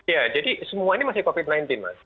ya jadi semua ini masih covid sembilan belas mas